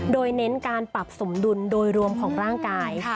โดยเน้นการปรับสมดุลโดยรวมของร่างกาย